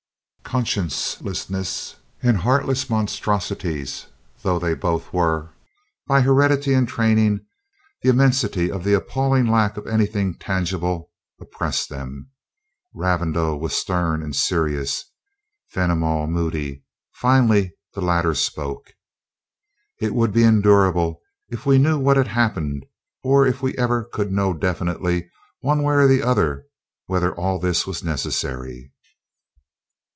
Conscienceless and heartless monstrosities though they both were, by heredity and training, the immensity of the appalling lack of anything tangible oppressed them. Ravindau was stern and serious, Fenimol moody. Finally the latter spoke. "It would be endurable if we knew what had happened, or if we ever could know definitely, one way or the other, whether all this was necessary."